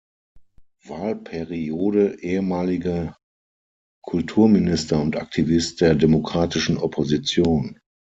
Wahlperiode, ehemaliger Kulturminister und Aktivist der demokratischen Opposition.